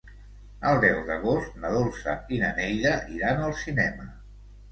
El deu d'agost na Dolça i na Neida iran al cinema.